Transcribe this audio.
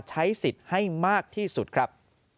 ใช้สิทธิ์ให้มากที่สุดครับ